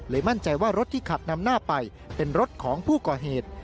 มั่นใจว่ารถที่ขับนำหน้าไปเป็นรถของผู้ก่อเหตุ